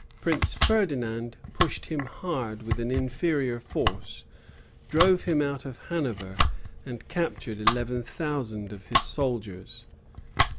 Prince Ferdinand pushed him hard with an inferior force, drove him out of Hanover, and captured eleven thousand of his soldiers.